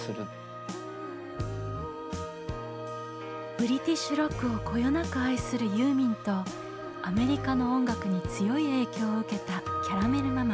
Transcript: ブリティッシュロックをこよなく愛するユーミンとアメリカの音楽に強い影響を受けたキャラメル・ママ。